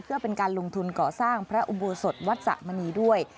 เพื่อเป็นการลงทุนก่อสร้างพระอุโบสถวัดสะมณีด้วย